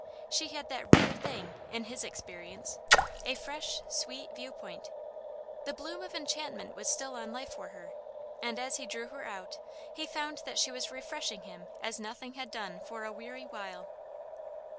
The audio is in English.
She had that rare thing, in his experience, a fresh, sweet view point. The bloom of enchantment was still on life for her, and as he drew her out, he found that she was refreshing him as nothing had done for a weary while.